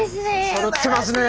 そろってますね。